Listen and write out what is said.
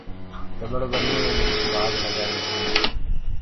چٻڙ ڀنيو مي منک بآگ لگآندآ هينٚ۔